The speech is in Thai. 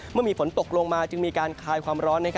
เมื่อมีฝนตกลงมาจึงมีการคลายความร้อน